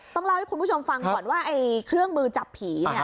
ต้องเล่าให้คุณผู้ชมฟังก่อนว่าไอ้เครื่องมือจับผีเนี่ย